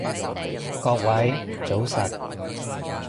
各位早晨